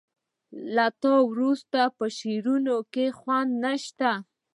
له تا وروسته په شعرونو کې خوند نه شته